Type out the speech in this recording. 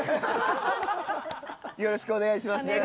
よろしくお願いします。